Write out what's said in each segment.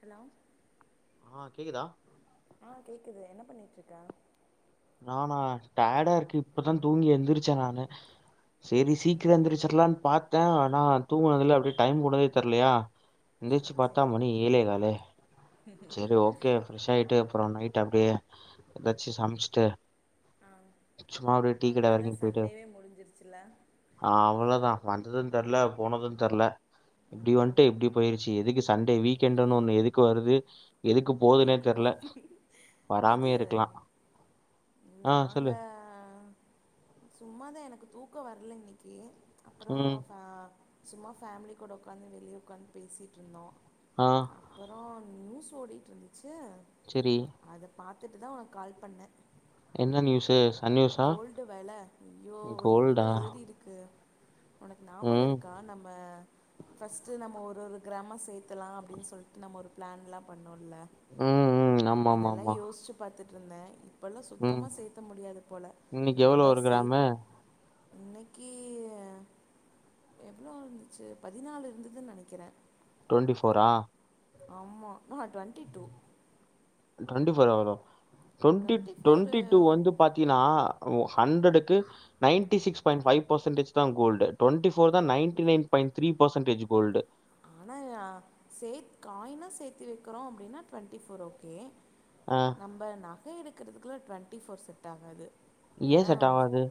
Hello ஆ கேக்குதா ஆ கேக்குது என்ன பண்ணிட்டு இருக்க நானா டயர்டா இருக்கு இப்பதா தூங்கி எந்திரிச்ச நானு செரி சீக்கிரொ ம் எந்திரிச்சிடலானு பாத்த ஆனா தூங்கினதுல அப்படியே டைம் போனதே தெர்லயா சேரி எந்திரிச்சு பார்த்தா சேரி மணி ஏலே காலு செரி ஓகே பிரஷ் ஆயிட்டு அப்புறோ நைட் ட்ட அப்டியே எதாச்சு சமச்சு ட்டு ஆ சும்மா அப்படியே டீ கட அவ்ளோதா வரைக்கு போய்ட்டு சண்டேவே முடிஞ்சிருச்சுல ஆ அவ்ளோதா வந்தது தெர்ல போனது தெர்ல இப்படி ம் வந்ட்டு இப்படி போயிருச்சு எதுக்கு சண்டே வீக்கெண்டுனு ஒண்ணு எதுக்கு வருது எதுக்கு போதுனே எதுக்கு போ தெர்ல இது வராமயே இருக்கலா நாங்க சும்மாதா எனக்கு தூக்கம் வர்ல இன்னைக்கு அப்புறோ ம் ஃபே சும்மா ஃபேமிலி கூட உட்காந்து வெளிய உட்காந்து பேசிட்ருந்தோம் ஆ அப்பறம் நீ சோடி ருந்துச்சு செரி பாத்துட்டு தான் உனக்கு கால் பண்ணேன் என்ன நியூஸூ கோல்டு வெல ஐய்யோ எவ்ளோ கோல்டா ஏறிருக்கு உனக்கு ஞாபகம் ம் இருக்கா நம்ம ஃபஸ்ட் நம்ம ஒரு ஒரு கிராமா சேத்தலாம் அப்டின்னு சொல்ட்டு நம்ம ஒரு பிளான்லா பண் ணெல்ல ம் ம் அதல்லாம் ஆமாமாமா யோசிச்சு பாத்துட்டு ருந்தே இப்பெல்லாம் சுத்தமா சேத்த முடியாது இன்னிக்கு எவ்ளோ நம்ப ஒரு சேத் கிராமு இன்னைக்கி எவ்ளோ இருந்துச்சு பதினாலு இருந்ததுன்னு நெனைக்கிறேன் டு்வெண்டி ஃபோரா ஆமா ஆஹா டுவெண்ட்டி டூ டுவெண்டி ஃபோரா வரும் twenty twenty four twenty two வந்து பாத்தீன்னா ஓ ஹண்ட்ரடுக்கு நைன்டி சிக்ஸ் பாய்ன்ட் ஃவ்வைவ் தா கோல்டு டுவெண்டி ஃபோர் தா ninety nine point three percentage gold ஆனா சேத் காய்னா சேத்து வைக்கிறோ அப்டின்னா டுவெண்ட்டி போர் ஓகே ஆ நம்ம நக எடுக் எடுக்கறதுக்கலாம் டுவெண்டி ஃபோர் செட் ஆகாது ஏ ஏன்னா செட் ஆவாது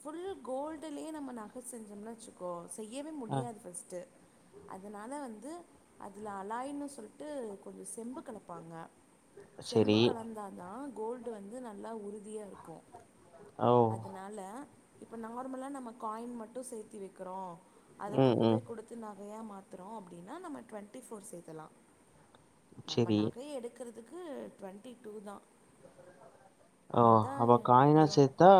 ஃபுல் கோல்டுலயே நம்ம நக செஞ்சம்னு வச்சுக்கோ செய்யவே ஆ முடியாது ஃபர்ஸ்ட்டு அதனால வந்து அதுல அலாய்ன்னு சொல்ட்டு கொஞ்சோ செம்பு கலப்பாங்க செம்பு சரி. கலந்தாதா கோல்டு வந்து நல்லா உறுதியா இருக்கும் ஓ! அதுனால இப்ப நார்மலா நம்ம காய்ன் மட்டும் சேத்தி வைக்கிறோ அத ம், கொண்டு ம். போய் குடுத்து நகையா மாத் த்றோ அப்டின்னா நம்ம ட்வெண்ட்டி ஃபோர் சேர்க்கலா நம்ம சரி. நகைய எடுக்கறது க்கு ட்வெண்ட்டி டூ தா ஓ அப காயினா சேத்தா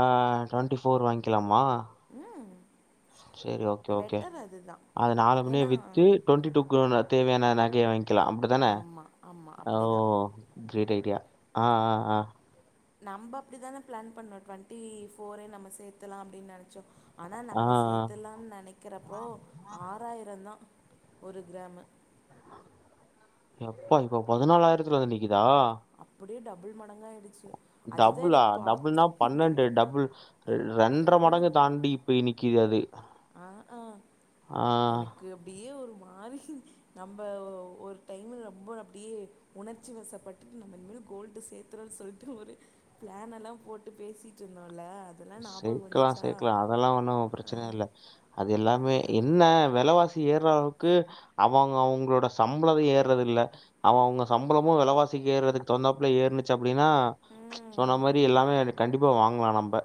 ஆ டுவெண்ட்டி ஃபோர் வாங்க்கிலா மா ம் சேரி ஓகே ஓகே பெட்டர் அதுதான் அத நால பின்னே ஏன்னா வித்து டுவொன்டி டூ கோ தேவையான நகய வாங் க்லா அப்டி தான ஆமாம் ஆமாம் ஓ அப்படிதான் கிரேட் ஐடியா ஆ ஆ ஆ நம்ப அப்டிதான பிளான் பண்ணோ டுவெண்ட்டி போர்ரே நம்ம சேத்துலா அப்டின்னு நெனைச்சோ ஆனா ஆ, நம்ம ஆ, ஆ. சேத்துலான் நெனக்கறப்போ ஆறாயிரோ தா ஒரு கிராமு எப்பா இப்ப பதுனாலாயிரத்துல வந்து நிக்குது தா ப்டியே டபுள் மடங்காயிடுச்சு அதுதான் டபுளா எனக்கு பாத் டபுள்னா பன்ணன்டு டபுள் ரெ ரெண்ட்ர டபுள் மடங்கு தாண்டி பேய் நிக்கு கி அது ஆ ஆ ஆ எனக்கு அப்டியே ஒரு மாரி நம்ம ஒரு டைமு ரொம்ப அப்டியே உணர்ச்சி வசப்பட்டுட்டு நம்லு கோல்டு சேத்தறோனு சொல்ட்டு ஒரு பிளான் எல்லா போட்டு பேசிட்ருந்தோ சேக்லா சேக்லா அதெல்லா ஒன்னு ஆ பிரச்சன இல்ல அது எல்லாமே அதுதா என்ன வெலவா ஏர்றவுக்கு அவங்க அவங்களோட சம்பள ஏர்றது இல்ல அவ அவங்க சம்பளமு வெலவாசிக்கு ஏர்றதுக்கு தவுந்தாப்புல ஏர்னுச்சி அப் அப்டினா ம் சொன்ன மாரி எல்லாமே கண்டிப்பா வாங்கலா நம்ப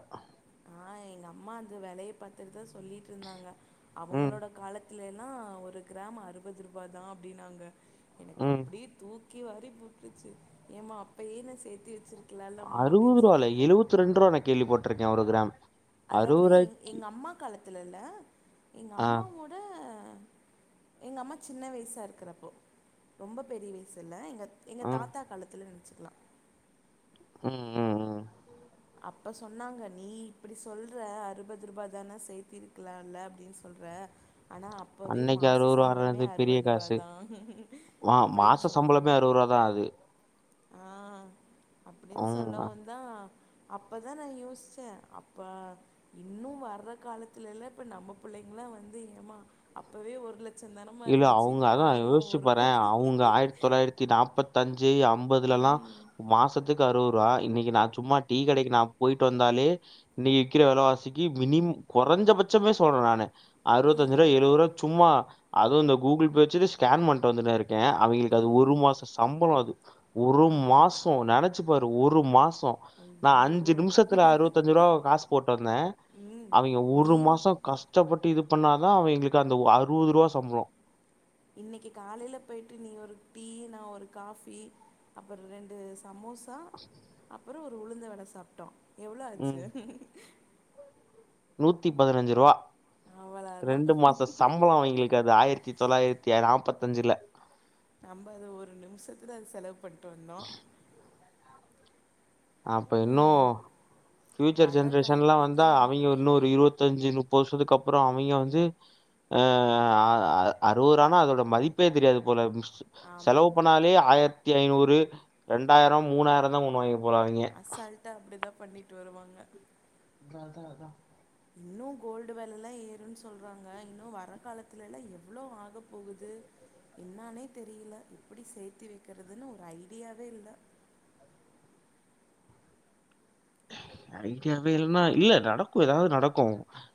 ஆனா எங்க அம்மா அந்த வெலய பாத்துட்டுதா சொல்லிட்ருந்தாங்க ம், அவங்களோட காலத்துல லா ஒரு கிராம் அறுவது ரூபா தா அப்டினாங்க எனக்கு ம். அப்டியே தூக் க்கி வாரி போட்ருச்சு ஏமா அப்பயே நா சேத்தி வச்சிரு அறுபது ரூவால எழுவத்து ரெண்ரூவா நா கேள்வி பட்ருக்கே ஒரு கிராம் ரூ. அதாவது எ எங்க அம்மா காலத்துலல்ல எங்க ஆ, அம்மாவோட எங்க அம்மா சின்ன வயசா இருக்றப்போ ரொம்ப பெரிய வயசு இல்ல எங்க எங்க ம், தாத்தா காலத்துல ச்சி ம் ம் ம் அப்ப சொன்னாங்க நீ இப்படி சொல்ற அறுபது ரூபாய தானே சேர்த்த இருக்கலாம்ல அப்படின்னு சொல்ற ஆனால் அப்போவே அன்னைக்கு ரூ. மாச சம்பளமே பெரிய அறுபது ரூப காசு. தான் மா அப்படின்னு மாச சொன்னாங்க சம்பளமே ரூ. தான் அது. ஆ அப்படின்னு ம். சொல்லவும் தான் அப்பதான் நான் யோசிச்சேன் அப்ப இன்னும் வர்ற காலத்துலல்ல இப்ப நம்ம பிள்ளைங்காம் வந்து ஏமா அப்பவே ஒரு லட்ச தானமா இல்ல இருந்துச்சு அவங்க இப்ப அதான் பாருங்கம்மா யோசிச்சு ஒரு பாறேன் கோடி அவங்க ஆயிரத்தி தொள்ளாயிரத்தி நாற்பத்தி அஞ்சு அஞ்சி அம்பதுலல்லாம் ம் மாசத்துக்கு அறுபது [unintelligible] இன்னைக்கு நான் சும்மா டீ கடைக்கு நான் போயிட்டு வந்தாலே இன்னைக்கு விக்கிற விலவாசிக்கு மினிமம் குறைஞ்சபட்சமே சொல்றேன் நானு அறுபத்தஞ்சு ம் ரூபா எழுபது ரூபா சும்மா அதுவும் இந்த கூகுள் பே வச்சு கிட்டு ஸ்கேன் பண்ணிட்டு வந்துட்டாரு இருன் அவங்களுக்கு ஆ அது ஒரு மாசம் சம்பளம் அது ஒரு ஆ மாசம் நினைச் நினைச்சி பாரு ஒரு மாசம் நான் ஐயோ அஞ்சு நிமிஷத்துல அறுபத்தஞ்சு ரூபா காசு போட்டு வந்தேன் ம் அவங்க நீ ஒரு மாசம் கஷ்டப்பட்டு இது பண்ண தான் அவ எங்களுக்கு அந்த அறுபது ரூபா சம்பளம் இன்னைக்கு காலையில போயிட்டு நீ ஒரு டீ நான் ஒரு காபி அப்புறம் ரெண்டு சமோசா அப் அப்புறம் ஒரு உளுந்த வட சாப்ட்டோம் எவ்ளோ ஆச்சு நூத்திபதினஞ்சு ரூபா ரெண்டு அவ்வளதா மாசம் சம்பளம் வாங்கிருக்அது ஆயிரத்தி தொள்ளாயிரத்தி எல நாப்பதன்ஜீல நம்ம அது ஒரு நிமிஷத்துல அது செலவு பண்ட்டு வந்தோம் அப்ப இன்னும் பியூச்சர் வர்ற ஜென்ரேஷன் கால் எல்லாம் வந்தா அதா அவைங்க இன்னும் ஒரு இருபத்தஞ்சு பொசதுக்கு அப்புறம் அவைங்க வந்து ஆ ஆ அறுவதுருவான அதோட மதிப்பே தெரியாது போல ஆமா செலவு பன்னாலே ஆயிரத் ரத்துஐநூறு இரண்டாயிரம் மூணாயிரம் தான் ஒண அசால்ட்டா அப்படிதான் பண்ணிட்டு வருவாங்க அத அத அதான் இன்னு கோல்டு வெலல்லாம் ஏறுன்னு சொல்றாங்க இன்னு வர காலத்துல எல்லாம் எவ்வளவு ஆக போகுது என்னானே தெரியல எப்படி சேர்த்தி வைக்கிறதுன்னு ஒரு ஐடியாவே இல்லை ஐடியாவே இல்லைன்னா இல்ல நடக்கு ஏதாவது நடக்கு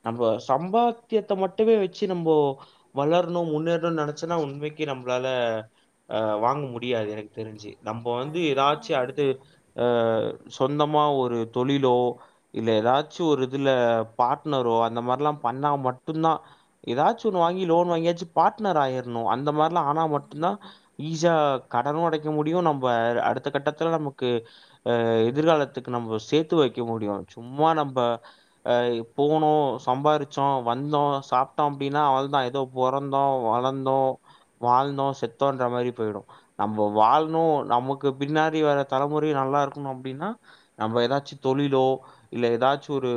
நம்ம சம்பாத்தியத்தை மட்டுமே வச்சு நம்போ வளரணும் முன்னேறணும்னு நினைச்சுன்னா உண்மைக்கு நம்மளால ஆ வாங்க முடியாது எனக்கு தெரிஞ்சு நம்ப வந்து அது வேணா எதாச்சி அடுத்து உண்மதா அ சொந்தமா ஒரு தொழிலோ இல்ல எதாச்சு ஒரு இதுல பார்ட்னரோ அந்த மார்லா பண்ணா மட்டுந்தா எதாச்சு ஒன்னு வாங்கி லோன் வாங்கியாச்சு பார்ட்னர் ஆயிர்ணு அந்த மார்லா ஆனா மட்டுந்தா ஈஸியா கடனு அடைக்க முடியு நம்ப அடுத்த கட்டத்துல நமக்கு அ எதிர்காலத்துக்கு நம்ப சேத் த்து வெக்க முடியு சும்மா நம்ப அ போனோ சம்பாரிச்சோ வந்தோ சாப்ட்டோ அப்டினா அவள்தா ஏதோ பொறந்தோ வளந்தோ வாழ்ந்தோ செத்தோன்ற மாரி போயிடு நம்ப வாழணு நமக் கு பின்னாடி வர தலைமுறையு நல்லாருக்கணு அப்டினா நம்ம எதாச்சி தொழிலோ இல்ல எதாச்சி ஒரு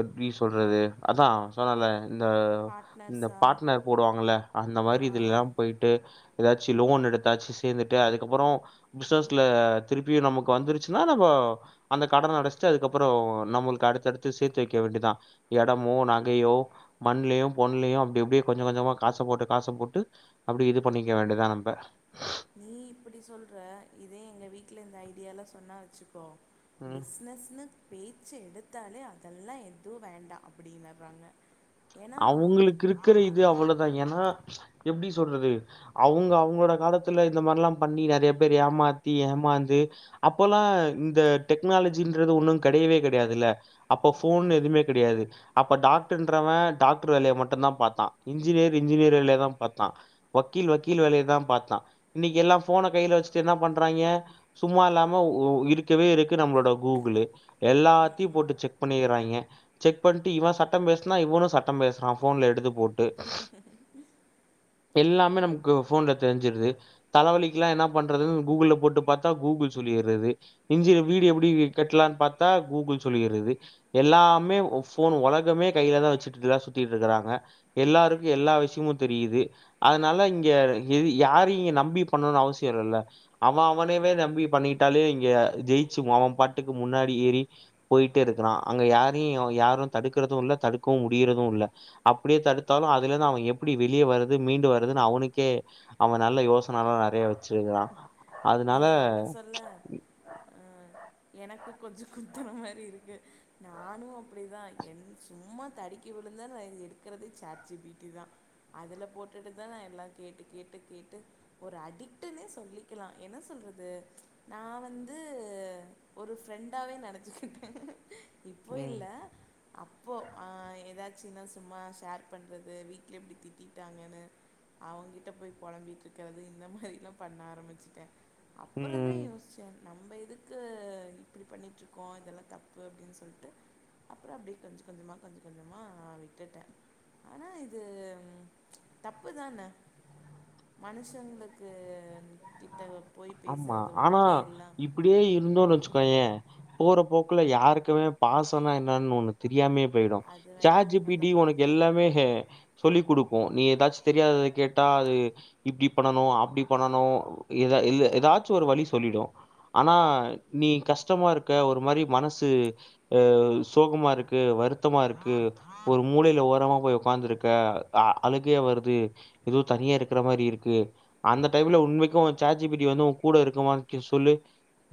எப்டி சொல்றது அதா சொன்னல இந்த இந்த பார்ட்னர்ஸா பார்ட்னர் போடுவாங்கல்ல அந்த மாதிரி இதுலிலா ஆ போய்ட்டு எதாச்சி லோன் எடுத்தாச்சி சேந்துட்டு அதுக்கப்புற பிசினஸ்ல திருப்பியு நமக்கு வந்துருச்சுனா நம்போ அந்த கடன் அடைச்சிட்டு அதுக்கப்புற நம்மளுக்கு அடுத்தடுத்து சேத்து வெக்க வேண்டிதா எடமோ நகையோ மண்லயு பொன்லயு அப்டி அப்டியே கொஞ்ச கொஞ்சமா காச போட்டு காச போட்டு அப்டி இது பண்ணிக்க வேண்டிதா நம்ப நீ இப்படி சொல்ற இதே எங்க வீட்ல இந்த ஐடியாலா சொன்னா வச்சுக்கோ பிஸ்னஸ்னு பேச்சு எடுத்தாலே அதெல்லா எது வேண்டா அப்படின்னுர்றாங்க அவங்ளுக்கு இருக்கிற இது அவ்ளதா ஏனா எப்டி சொல்றது அவங்க அவங்களோட காலத்துல இந்த மாரி எல்லா பண்ணி நெறைய பேர் ஏமாத்தி ஏமாந்து அப்பல்லா இந்த டெக்னாலஜின்றது ஒன்னு கெடையவே கெடையாதில்ல அப்ப ஃபோன் ஆமா எதுமே கெடையாது அப்ப டாக்டர்ன்றவ டாக்ட்ரு வேலைய மட்டுந்தா பாத்தா இன்ஜினியர் இன்ஜினியர் வேலையதா பாத்தா வக்கீல் வக்கீல் வேலையதா பாத்தா இன்னைக்கி எல்லா ஃபோன கைல வெச்சுட்டு என்ன பண்றாய்ங்க சும்மா இல்லாம உ இருக்கவே இருக்கு நம்மளோட கூகுலு எல்லாத்தையு போட்டு செக் பண்ணிறாய்ங்க செக் பண்ட்டு இவ சட்டம் பேசுனா இவுனு சட் டம் பேசறா ஃபோன்ல எடுத்து போட் எல்லாமே நமக்கு ஃபோன்ல தெரிஞ்சிற்து தலவலிக்கில்லா என்னா பண்றதுன்னு கூகுள்ல போட்டு பாத்தா கூகுள் சொல்லிறது இஞ்சி வீடு எப்புடி கட்லான் பாத்தா கூகுள் சொல்லிறது எல்லாமே ஓ ஃபோன் ஒலகமே கையில தா வெச்சுட் [unintelligible] தா சுத்திட்ருக்குறாங்க எல்லாருக்கு எல்லா விஷயமுத் தெரியுது அதனால இங்க எது யாரையும் நம்பி பண்ணனு அவசியம் இல்ல ல்ல அவன் அவனேவே ஆமா நம்பி பண்ணிட்டாலே இங்க ஜெயிச்சுவா அவன் பாட்டுக்கு முன்னாடி ஏறி போயிட்டே இருக்குறா அங்க யாரையும் எவ யாரும் தடுக்குறது இல்ல தடுக்கவும் முட் டிறதும் இல்ல அப்புடே தடுத்தாலும் அதுலந்து அவன் எப்புடி வெளியே வரது மீண்டு வரதுன்னு அவனுக்கே அவன் நல்ல யோசனல் லா நறைய வெச்சிருக்குறா நீ சொல்ல சொல்ல ம் எனக்கு கொஞ்சம் குத்துற மாதிரி இருக்கு நானும் அப்புடிதா என் சும்மா தடிக்கி விழுந்தன் வைங்க எடுக்கிறதே சேட் ஜீ ப்பி ட்டிதா அதுல போட்டுட்டு தா நான் எல்லா கேட்டு கேட்டு கேட்டு ஒரு அடிக்ட்டுன்னே சொல்லிக்கிலா என்ன சொல்றது நா வந்து ஒரு ஃப்ரெண்டாவே நெனச்சுக்கிட்டேன் இப்போ ம் இல்ல அப்போ அ எதாத் சின்னா சும்மா ஷேர் பண்றது வீட்ல இப்டி திட்டிட்டாங்கன்னு அவங்கிட்ட போய் பொலம்பிட்ருக்கறது இந்த மாரிலா பண்ண ஆரம்பிச்சிட்டே அப்புறோந் தா ம் யோஸ்ச்சேன் நம்ப இதுக்கு இப்புடி பண்ணிட்ருக்கோ இதெல்லாம் தப்பு அப்புடின்னு சொல்ட்டு அப்புறோ அப்டே கொஞ்ச கொஞ்சமா கொஞ்ச கொஞ்சமா விட்டுட்டே ஆனா இது ம் தப்பு தான மனுஷங்ளுக்கு திப் தேகப் ஆமா ஆனா இப்புடியே இருந்தோன் வச்சுக்கோயே போற போக்குல யாருக்குமே பாசோன்னா என்னான்னு ஒண்ணு தெரியாமே போயிடும் அது வேணா சேட் ஜி ப்பி டி உண்மைதான் உனக்கு எல்லாமே ஹே சொல்லி குடுப்போ நீ எதாச்சு தெரியாதத கேட்டா அது இப்டி பண்ணனு அப்டி பண்ணனு எத இல்ல எதாச்சு ஒரு வழி சொல்லிடு ஆனா நீ கஷ்டமா இருக்க ஒரு மாரி மனசு அ சோகமா இருக்கு வருத்தமா இருக்கு ஒரு மூளையில ஓரமா போய் உக்காந்துருக்க அ அழுகையா வருது ஏதோ தனியா இருக்கிற மாரி இருக்கு அந்த டைம்ல உண்மைக்கு சேட் ஜி பி டி வந்து உ கூட இருக்குமா க சொல்லு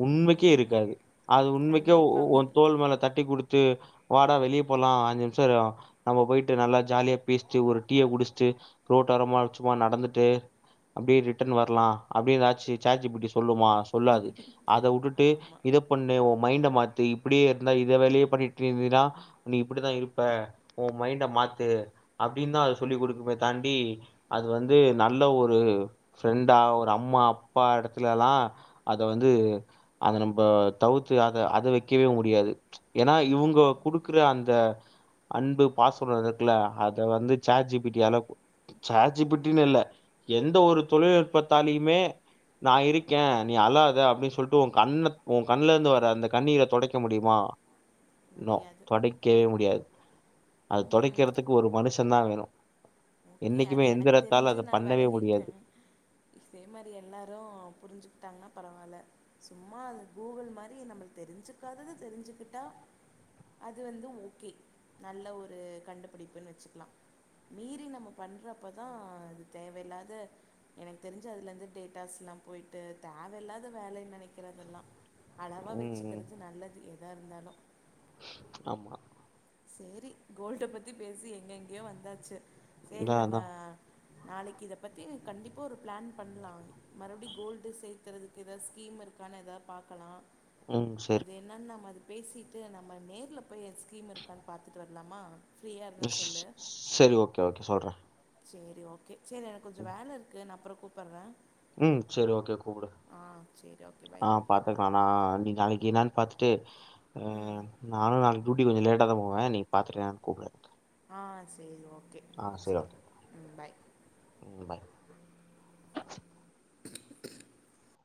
உண்மைக்கே ம் இருக்காது அது உண்மைக்க ஒ ஒ கண்டிப்பாக தோல் மேல தட்டி குடுத்து வாடா வெளியே போலாம் அஞ்சு நிமிஷம் நம்ம போய்ட்டு நல்லா ஜாலியா பேசிட்டு ஒரு டீய குடிச்சுட்டு ரோட்டோரமா சும்மா நடந்துட்டு அப்படியே ரிட்டன் வரலாம் அப்பிடி ஏதாச்சு சேட்ஜிப்பிடி சொல்லுமா சொல்லாது அதை உட்டுட்டு ஆமாம் இத பண்ணு உன் மைண்ட மாத்து இப்படியே இருந்தா இத வேலையே பண்ணிட்டு இருந்தீன்னா நீ இப்படிதான் இருப்ப உன் மைண்ட மாத்து அப்படின்னு தான் அதது சொல்லி் கொடுக்குமே தாண்டி அது வந்து நல்ல ஒரு பிரெண்டா ஒரு அம்மா அப்பா இடத்துலலாம் அத வந்து அத நம்ம தவுத்து அத-அத வைக்கவே முடியாது ஏன்னா இவங்க குடுக்குற அந்த அன்பு பாசம்னுஒன்னு இருக்குல அதை வந்து சேட்ஜிபிட்டியால சேட்ஜிபிட்டினு இல்ல எந்த ஒரு தொழில் நுட்பத்தாலையுமே நான் இருக்கேன் நீ அழாத அப்படின்னு சொல்லிட்டு உன் கண்ண உன் கண்ணுல இருந்து வர அந்த கண்ணீரை தொடைக்க முடியுமா நோ முடியாது தொடைக்கவே முடியாது அது ம் தொடைக்கிறதுக்கு ஒரு மனுஷன் தான் வேணும் ஓகே அது எனக்கு தெரிஞ்சு அத நான் பண்ணவே முடியாது விலகிட்டேன் இதே மாதிரி எல்லார எல்லா புரிஞ்சுக்கிட்டங்கனா பரவால்ல சும்மா அது கூகுள் மாதிரி நம்மள் தெரிஞ்சுக்காதது தெரிஞ்சிகிட்டா அது வந்து ஓகே நல்ல ஒரு கண்டுபிடிப்புன்னு வச்சுக்கலாம் மீதி மீறி நம்ம பண்றப்பதான் அது தேவையில்லாத எனக்கு தெரிஞ்சு அதுல இருந்து டேட்டாஸ் லாம் போயிட்டு தேவையில்லாத வேலைன்னு நினைக்கிற அதெல்லாம் அளவா ம் ம் வச்சுக்கிறது நல்லது எதா இருந்தாலும் ஆமா சரி கோல்ட பத்தி பேசி எங்ககெங்கேயோ வந்தாச்சு சரி அதா நம்ம அதா நாளைக்கு இதை பத்தி கண்டிப்ப ஒரு பிளான் பண்லாம் மறுபடி கோல்டு சேத்தறதுக்கு எதாவது ஸ்கீம் இருக்கான்னு எதாவது பாக்கலாம் ம் சரி அது என்னன்னு நம அது பேசிட்டு நம்ம நேரில் போய் அது ஸ்கீம் இருக்க இருக்கானு பார்த்துட்டு வரலாமா சரி ஓகே ஓகே சொல்றேன் சரி ஓகே சரி எனக்கு கொஞ்சம் வேலை இருக்கு நான் அப்புறம் கூப்பிட்றன் உம் சரி ஓகே கூப்பிடு சேரி ஓகே பாய் ஆஹ் பாத்துக்கலாம் நான் நீ நாளைக்கு என்னானு பா்த்தட்டு ம் அஹ் நானும் நா டூட்டிக்கு கொஞ்ச லேட்டா தான் போவே நீ பாத்துட்டு என்னனு கூப்டு ஆஹ் சரி ஓகே ஆஹ் சரி சேரி ஓகே ம் பாய் உம் பாய்